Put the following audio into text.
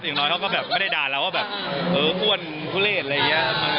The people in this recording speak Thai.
อย่างน้อยเขาก็แบบไม่ได้ด่าเราว่าแบบเอออ้วนทุเลศอะไรอย่างนี้